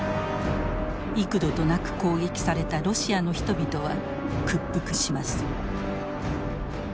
幾度となく攻撃されたロシアの人々は屈服します。